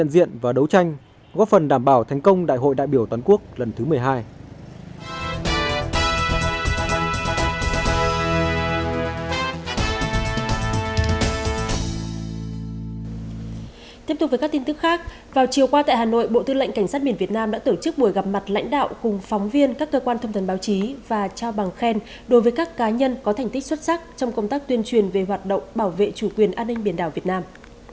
tiếp tục với các tin tức khác vào chiều qua tại hà nội bộ tư lệnh cảnh sát biển việt nam đã tổ chức buổi gặp mặt lãnh đạo cùng phóng viên các cơ quan thông thần báo chí và trao bằng khen đối với các cá nhân có thành tích xuất sắc trong công tác tuyên truyền về hoạt động bảo vệ chủ quyền an ninh biển đảo việt nam